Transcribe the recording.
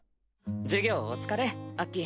授業お疲れアッキー。